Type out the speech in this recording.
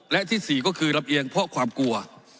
และที่๔ก็คือลำเอียงเพราะความกลัว